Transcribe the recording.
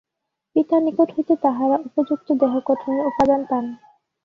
পিতার নিকট হইতে তাঁহারা উপযুক্ত দেহ-গঠনের উপাদান পান।